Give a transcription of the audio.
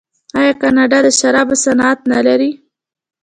آیا کاناډا د شرابو صنعت نلري؟